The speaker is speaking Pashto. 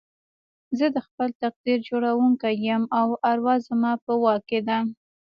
زه د خپل تقدير جوړوونکی يم او اروا زما په واک کې ده.